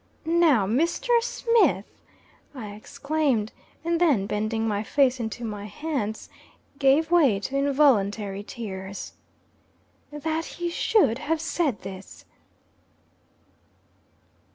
"Now, Mr. Smith!" I exclaimed, and then bending my face into my hands, gave way to involuntary tears. That he should have said this!